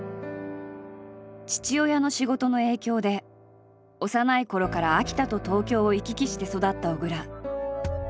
父親の仕事の影響で幼いころから秋田と東京を行き来して育った小倉。